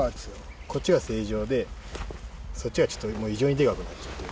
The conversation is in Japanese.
こっちが正常で、そっちがちょっと異常にでかくなっちゃった。